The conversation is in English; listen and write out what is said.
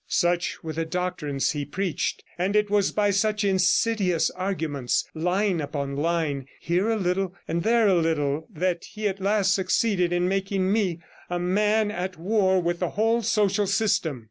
Such were the doctrines that he preached; and it was by such insidious arguments, line upon line, here a little and there a little, that he at last succeeded in making me a man at war with the whole social system.